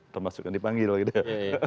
termasuk yang dipanggil gitu ya